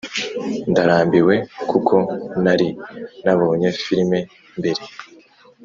ndarambiwe kuko nari nabonye film mbere.